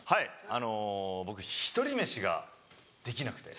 あの僕１人飯ができなくて。